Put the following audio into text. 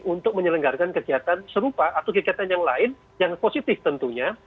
untuk menyelenggarkan kegiatan serupa atau kegiatan yang lain yang positif tentunya